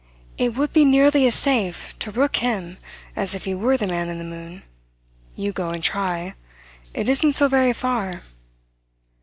"It would be nearly as safe to rook him as if he were the Man in the moon. You go and try. It isn't so very far."